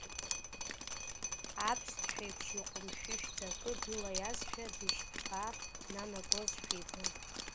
Аԥсҭҳәеиԥш иҟәымшәышәӡа акы дылаиазшәа, дышьҭԥаа днанагозшәа ибон.